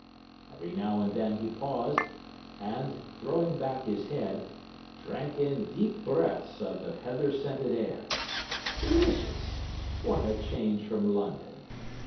Every now and then he paused, and, throwing back his head, drank in deep breaths of the heather scented air. Delicious! What a change from London!